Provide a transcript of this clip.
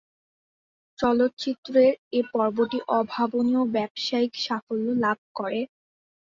চলচ্চিত্রের এ পর্বটি অভাবনীয় ব্যবসায়িক সাফল্য লাভ করে।